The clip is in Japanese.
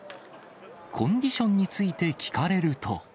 コンディションについて聞かれると。